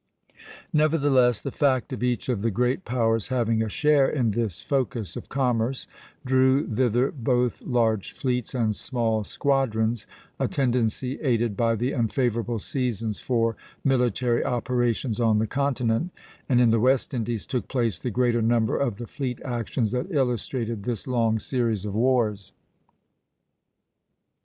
Nevertheless, the fact of each of the great powers having a share in this focus of commerce drew thither both large fleets and small squadrons, a tendency aided by the unfavorable seasons for military operations on the continent; and in the West Indies took place the greater number of the fleet actions that illustrated this long series of wars. [Illustration: PENINSULA OF INDIA AND CEYLON.